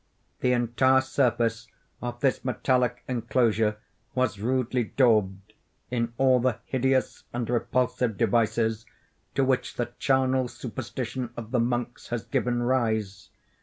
The entire surface of this metallic enclosure was rudely daubed in all the hideous and repulsive devices to which the charnel superstition of the monks has given rise.